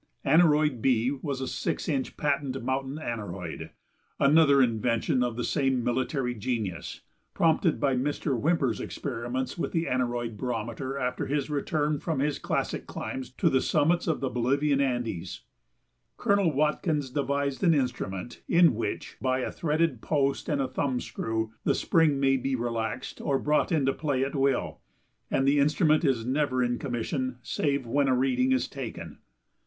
Aneroid B was a six inch patent mountain aneroid, another invention of the same military genius, prompted by Mr. Whymper's experiments with the aneroid barometer after his return from his classic climbs to the summits of the Bolivian Andes. Colonel Watkins devised an instrument in which by a threaded post and a thumb screw the spring may be relaxed or brought into play at will, and the instrument is never in commission save when a reading is taken.